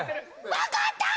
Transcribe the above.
分かったー！